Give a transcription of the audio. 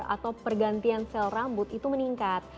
atau pergantian sel rambut itu meningkat